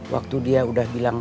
waktu dia udah bilang